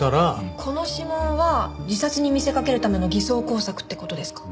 この指紋は自殺に見せかけるための偽装工作って事ですか？